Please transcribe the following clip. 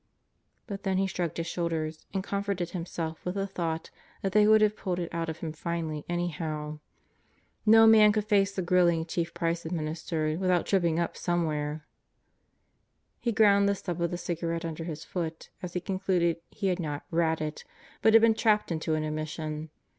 ..." But then he shrugged his shoulders and com forted himself with the thought that they would have pulled it out of him finally anyhow. No man could face the grilling Chief Price administered without tripping up somewhere. He ground the stub of the cigarette under his foot as he concluded he had not "ratted," but had been trapped into an admission.